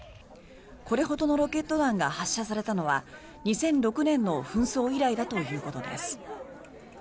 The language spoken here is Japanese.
これほどのロケット弾が発射されたのは２００６年の紛争以来だということです。